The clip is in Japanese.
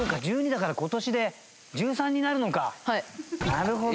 なるほど。